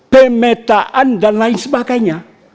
pemetaan dan lain sebagainya